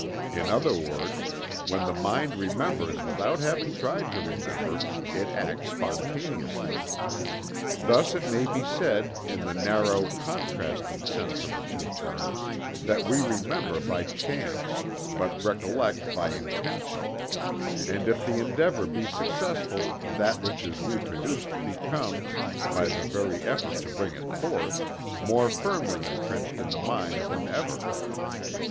In other words, when the mind remembers without having tried to remember, it acts spontaneously. Thus it may be said, in the narrow, contrasted senses of the two terms, that we remember by chance, but recollect by intention, and if the endeavor be successful that which is reproduced becomes, by the very effort to bring it forth, more firmly intrenched in the mind than ever."